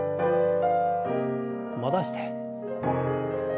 戻して。